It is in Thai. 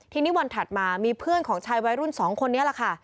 ทีนี้วันถัดมามีเพื่อนของชายวัยรุ่น๒คนนี้แหละค่ะ